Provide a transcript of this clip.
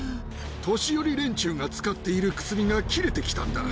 年寄り連中が使っている薬が切れてきたんだ。